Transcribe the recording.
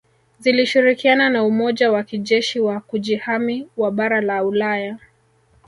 Zilishirikiana na Umoja wa kijeshi wa Kujihami wa bara la Ulaya